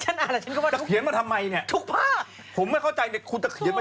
ชันอ่าแล้วก็ว่าจริงถูกภาคผมไม่เข้าใจเนี่ย